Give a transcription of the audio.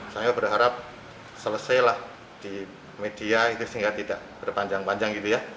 saya berharap selesailah di media itu sehingga tidak berpanjang panjang gitu ya